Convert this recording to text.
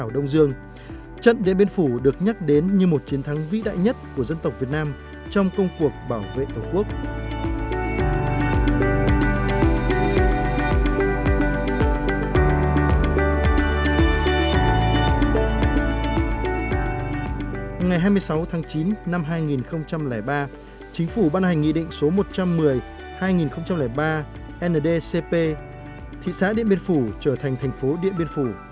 điện biên phủ